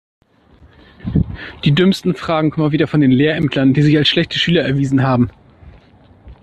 Die dümmsten Fragen kommen mal wieder von den Lehrämtlern, die sich als schlechte Schüler erwiesen haben.